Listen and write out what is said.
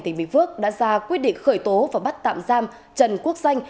tỉnh bình phước đã ra quyết định khởi tố và bắt tạm giam trần quốc danh